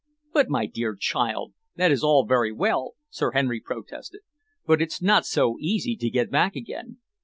"But, my dear child, that is all very well," Sir Henry protested, "but it's not so easy to get back again.